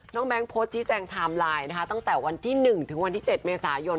แบงค์โพสต์ชี้แจงไทม์ไลน์นะคะตั้งแต่วันที่๑ถึงวันที่๗เมษายน